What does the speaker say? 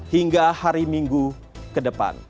hingga hari minggu ke depan